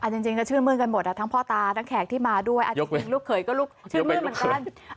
จริงก็ชื่นมื้นกันหมดทั้งพ่อตาทั้งแขกที่มาด้วยอาจจะเป็นลูกเขยก็ลูกชื่นมืดเหมือนกัน